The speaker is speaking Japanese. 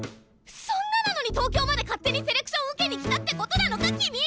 そんななのに東京まで勝手にセレクション受けに来たってことなのか君！